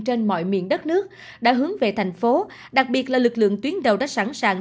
trên mọi miền đất nước đã hướng về thành phố đặc biệt là lực lượng tuyến đầu đã sẵn sàng